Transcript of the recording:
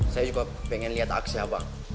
saya juga pengen lihat aksi abang